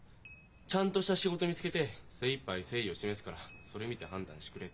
「ちゃんとした仕事見つけて精いっぱい誠意を示すからそれ見て判断してくれ」